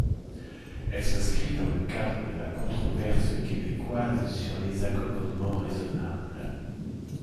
Elle s'inscrit dans le cadre de la controverse québécoise sur les accommodements raisonnables.